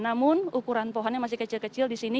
namun ukuran pohonnya masih kecil kecil di sini